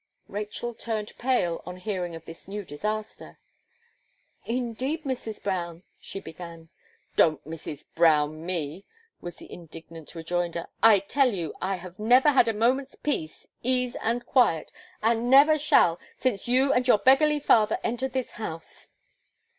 Rachel turned pale, on hearing of this new disaster. "Indeed, Mrs. Brown " she began. "Don't Mrs. Brown me," was the indignant rejoinder. "I tell you, I have never had a moment's peace, ease, and quiet, and never shall have since you and your beggarly father entered this house."